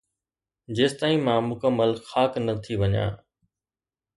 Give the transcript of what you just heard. جيستائين مان مڪمل خاڪ نه ٿي وڃان